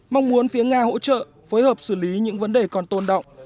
mong muốn phía nga hỗ trợ phối hợp xử lý những vấn đề còn tôn động